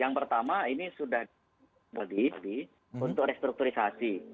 yang pertama ini sudah mudik untuk restrukturisasi